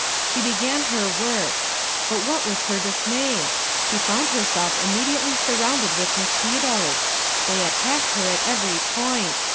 She began upon her work. But what was her dismay! She found herself immediately surrounded with mosquitoes. They attacked her at every point.